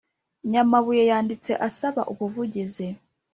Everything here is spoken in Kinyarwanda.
Nyamabuye yanditse asaba ubuvugizi